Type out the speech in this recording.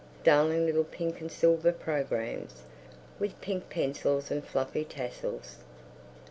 Darling little pink and silver programmes, with pink pencils and fluffy tassels.